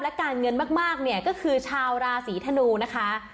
และการเงินมากเนี่ยก็คือชาวราศีธนูนะคะ